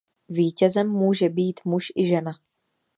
Vítězem může být muž i žena.